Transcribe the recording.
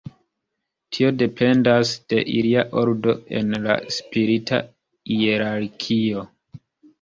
Tio dependas de ilia ordo en la spirita hierarkio.